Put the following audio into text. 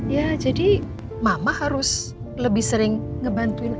ya jadi mama harus lebih sering ngebantuin